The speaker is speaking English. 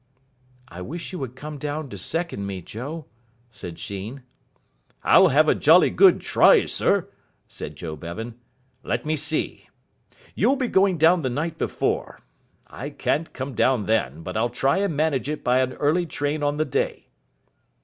"I wish you could come down to second me, Joe," said Sheen. "I'll have a jolly good try, sir," said Joe Bevan. "Let me see. You'll be going down the night before I can't come down then, but I'll try and manage it by an early train on the day."